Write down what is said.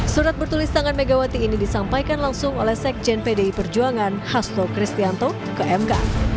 surat bertulis tangan megawati ini disampaikan langsung oleh sekjen pdi perjuangan hasto kristianto ke mk